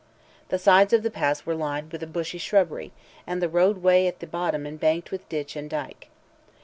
The sides of the pass were lined with a bushy shrubbery, and the roadway at the bottom embanked with ditch and dike.